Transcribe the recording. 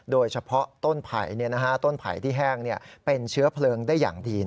โดยเฉพาะต้นไผ่ต้นไผ่ที่แห้งเป็นเชื้อเพลิงได้อย่างดี